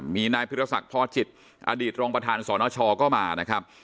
มีนายพิรศักดิ์พอจิตอดีตรองประธานสนชก็มานะครับ